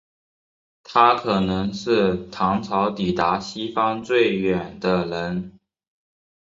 他可能是唐朝抵达西方最远的人。